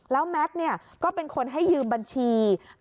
แล้วแม็กซ์ก็เป็นคนให้ยืมบัญชี